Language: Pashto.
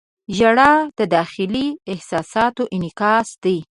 • ژړا د داخلي احساساتو انعکاس دی.